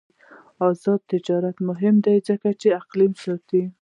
آزاد تجارت مهم دی ځکه چې اقلیم ساتي.